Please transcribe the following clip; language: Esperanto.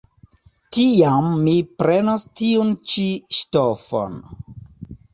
Tiam mi prenos tiun ĉi ŝtofon.